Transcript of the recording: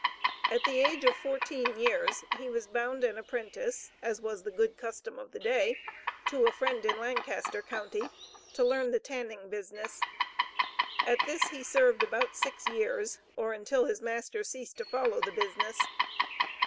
At the age of fourteen years he was bound an apprentice, as was the good custom of the day, to a Friend in Lancaster county to learn the tanning business. At this he served about six years, or until his master ceased to follow the business.